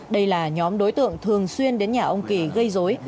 đây là nhóm đối tượng thường xuyên đến nhà ông kỳ gây dối